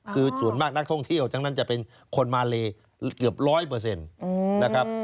คือส่วนมากนักท่องเที่ยวทั้งนั้นจะเป็นคนมาเลเกือบ๑๐๐นะครับ